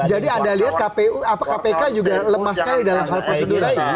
jadi anda lihat kpk juga lemah sekali dalam hal prosedur